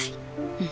うん。